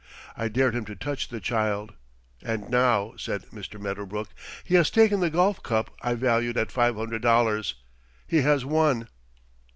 I dared him to touch the child. And now," said Mr. Medderbrook, "he has taken the golf cup I value at five hundred dollars. He has won."